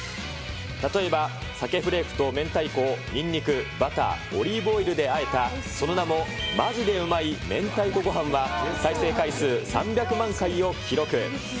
例えば鮭フレークと明太子をにんにく、バター、オリーブオイルであえたその名もマジで旨い明太子ご飯は、再生回数３００万回を記録。